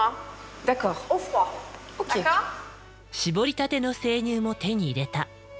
搾りたての生乳も手に入れた。